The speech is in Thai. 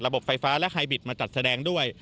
ไฟฟ้าและไฮบิตมาจัดแสดงด้วย